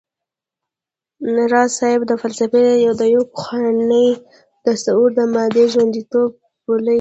راز صيب د فلسفې د يو پخواني تصور د مادې ژونديتوب پلوی و